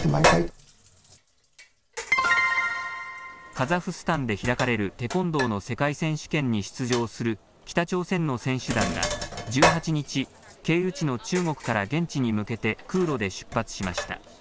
カザフスタンで開かれるテコンドーの世界選手権に出場する北朝鮮の選手団が１８日、経由地の中国から現地に向けて空路で出発しました。